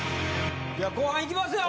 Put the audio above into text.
じゃあ後半いきますよ！